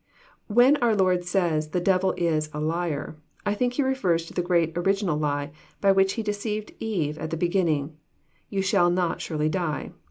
When our Lord says that the devil " is a liar," I think He refers to the great original lie by which he deceived Eve at the beginning, " Ye shall not surely die."